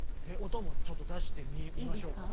音もちょっと出してみましょうか？